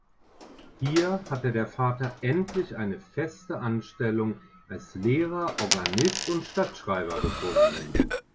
Hier hatte der Vater endlich eine feste Anstellung als Lehrer, Organist und Stadtschreiber gefunden.